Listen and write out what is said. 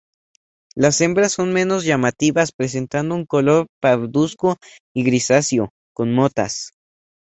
Las hembras son menos llamativas, presentando un color pardusco y grisáceo con motas.